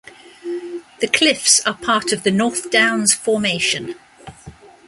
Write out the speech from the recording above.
The cliffs are part of the North Downs formation.